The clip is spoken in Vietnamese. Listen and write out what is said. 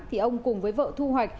thì ông cùng với vợ thu hoạch